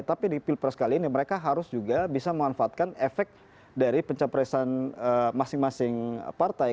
tapi di pilpres kali ini mereka harus juga bisa memanfaatkan efek dari pencapresan masing masing partai